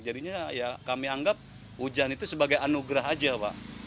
jadinya ya kami anggap hujan itu sebagai anugerah aja pak